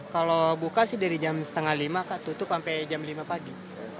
kalau buka sih dari jam setengah lima ke tutup sampai jam lima pagi